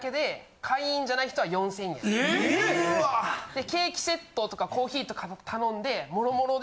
・でケーキセットとかコーヒーとか頼んで。